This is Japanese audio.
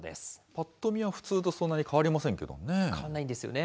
ぱっと見は普通とそんなに変わりませんけどね。